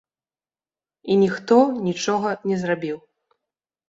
І ніхто нічога не зрабіў.